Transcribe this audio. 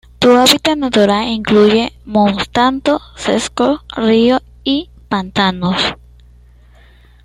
Su hábitat natural incluye montanos secos, ríos y pantanos.